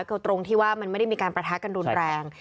คือตรงที่ว่ามันไม่ได้มีการประทะกันรุนแรง